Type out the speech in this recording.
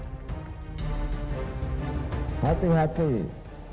hati hati banyak politik politikosantedai baik baik